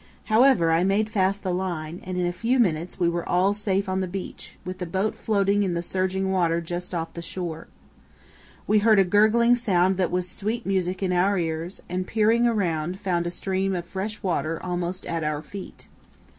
However, I made fast the line, and in a few minutes we were all safe on the beach, with the boat floating in the surging water just off the shore. We heard a gurgling sound that was sweet music in our ears, and, peering around, found a stream of fresh water almost at our feet.